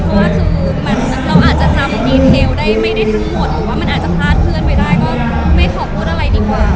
หรือว่ามันอาจจะพลาดเพื่อนไปได้ก็ไม่ขอพูดอะไรดีกว่า